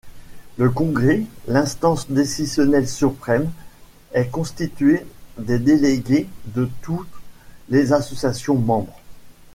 Le Congrès, l'instance décisionnelle suprême, est constituée des délégués de toutes les associations membres.